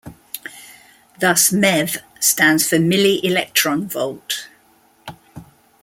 Thus meV stands for milli-electronvolt.